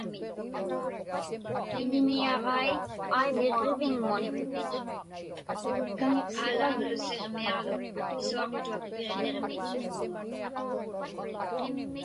Iḷiniaġai niġġiviŋmun.